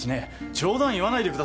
冗談言わないでくださいよ。